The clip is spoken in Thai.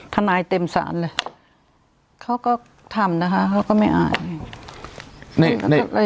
ทนายเต็มศาลเลยเขาก็ทำนะคะเขาก็ไม่อ่าน